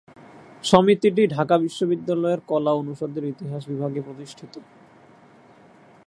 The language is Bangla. সমিতিটি ঢাকা বিশ্ববিদ্যালয়ের কলা অনুষদের ইতিহাস বিভাগে প্রতিষ্ঠিত।